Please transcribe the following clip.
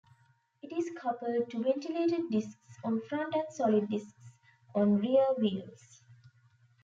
It is coupled to ventilated discs on front and solid discs on rear wheels.